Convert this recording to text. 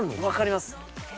分かります。